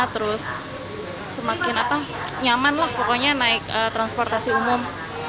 terus semakin nyaman lah pokoknya naik transportasi umum